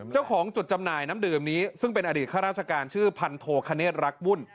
เจ้าของจุดจำหน่ายน้ำดื่มนี้ซึ่งเป็นอดีตข้าราชการชื่อพันโทคเนธรักวุ่น